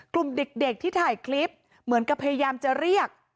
กลุ่มเด็กที่ถ่ายคลิปเหมือนกับพยายามจะเรียก